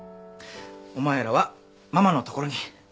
お前らはママのところに。